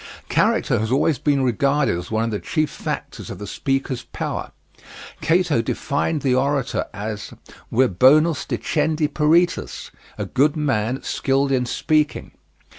Character has always been regarded as one of the chief factors of the speaker's power. Cato defined the orator as vir bonus dicendi peritus a good man skilled in speaking.